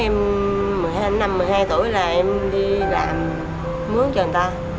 em từ nhỏ em một mươi hai năm một mươi hai tuổi là em đi làm mướn cho người ta